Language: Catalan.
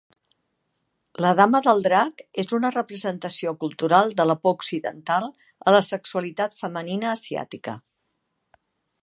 La Dama del Drac és una representació cultural de la por occidental a la sexualitat femenina asiàtica.